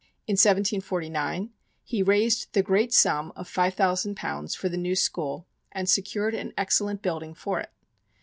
In 1749, he raised the great sum of five thousand pounds for the new school, and secured an excellent building for it.